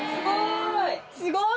すごい！